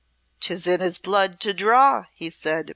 "'Tis in his blood to draw," he said.